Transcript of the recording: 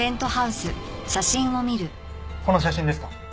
この写真ですか？